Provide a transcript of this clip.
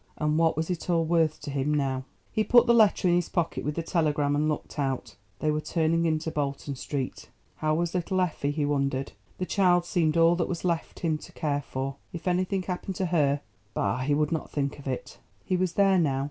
And what was it all worth to him now? He put the letter in his pocket with the telegram and looked out. They were turning into Bolton Street. How was little Effie, he wondered? The child seemed all that was left him to care for. If anything happened to her—bah, he would not think of it! He was there now.